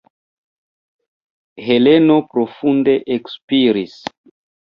Heleno profunde ekspiris.